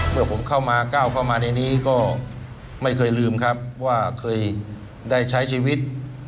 เมื่อผมเข้ามาก้าวเข้ามาในนี้ก็ไม่เคยลืมครับว่าเคยได้ใช้ชีวิต